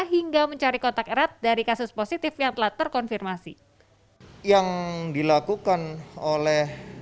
hingga mencari kontak erat dari kasus positif yang telah terkonfirmasi yang dilakukan oleh